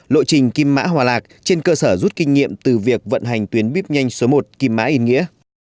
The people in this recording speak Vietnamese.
lộ trình kim mã hòa lạc trên cơ sở rút kinh nghiệm từ việc vận hành tuyến bíp nhanh số một kim mã yên nghĩa